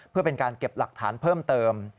เพื่อเป็นการเก็บหลักฐานเพิ่มเติม